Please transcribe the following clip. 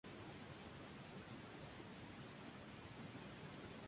Bajo ciertas condiciones se puede evitar la operación.